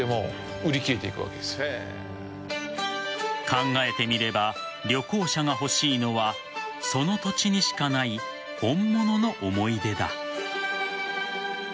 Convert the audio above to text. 考えてみれば旅行者が欲しいのはその土地にしかない本物の思い出だ。